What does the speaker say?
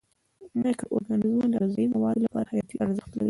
مایکرو ارګانیزمونه د غذایي موادو لپاره حیاتي ارزښت لري.